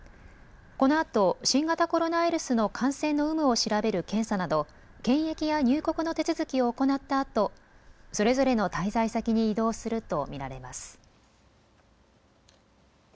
このあと新型コロナウイルスの感染の有無を調べる検査など検疫や入国の手続きを行ったあとそれぞれの滞在先に移動すると見られます。